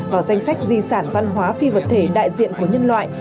vào danh sách di sản văn hóa phi vật thể đại diện của nhân loại